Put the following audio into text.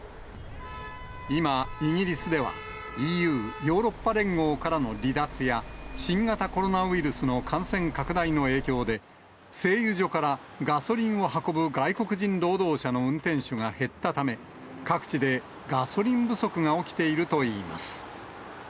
今、イギリスでは、ＥＵ・ヨーロッパ連合からの離脱や、新型コロナウイルスの感染拡大の影響で、製油所からガソリンを運ぶ外国人労働者の運転手が減ったため、各地でガソリン不足が起きているといいます。